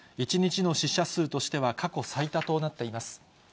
１日の死者数としては過去最多となっています。